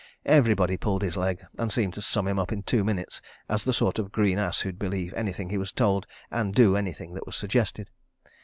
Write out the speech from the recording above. Everybody pulled his leg and seemed to sum him up in two minutes as the sort of green ass who'd believe anything he was told, and do anything that was suggested.